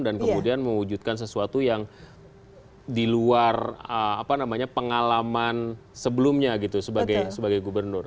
dan kemudian mewujudkan sesuatu yang di luar pengalaman sebelumnya gitu sebagai gubernur